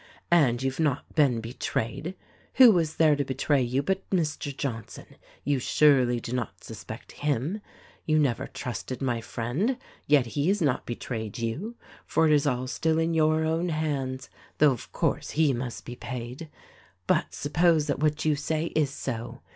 And you've not been betrayed. Who was there to betray you but Mr. Johnson — You surely do not suspect him ! You never trusted my friend ; yet he has not betrayed you, for it is all still in your own hands — though, of course, he must be paid. "But, suppose that what you say is so.